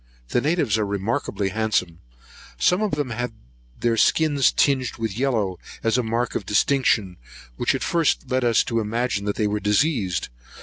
The natives are remarkably handsome. Some of them had their skins tinged with yellow, as a mark of distinction, which at first led us to imagine they were diseased.